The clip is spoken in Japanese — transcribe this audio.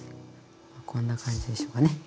こんな感じでしょうかね。